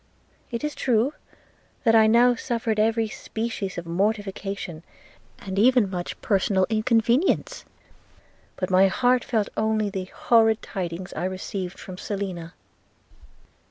– It is true, that I now suffered every species of mortification, and even much personal inconvenience; but my heart felt only the horrid tidings I received from Selina.